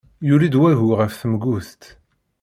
Yuli-d wagu ɣef temguḍt.